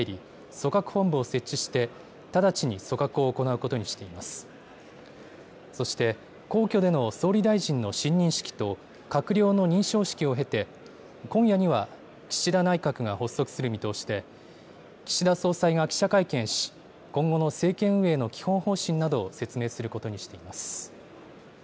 そして、皇居での総理大臣の親任式と、閣僚の認証式を経て、今夜には岸田内閣が発足する見通しで、岸田総裁が記者会見し、今後の政権運営の基本方針などを説明することにしています。